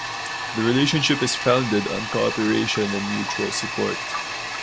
The relationship is founded on cooperation and mutual support.